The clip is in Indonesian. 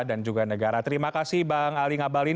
dan juga negara terima kasih bang ali ngabalin